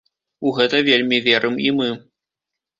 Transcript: У гэта вельмі верым і мы.